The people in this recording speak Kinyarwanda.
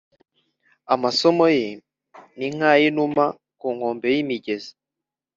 Amaso ye ni nk’ay’inuma ku nkombe y’imigezi,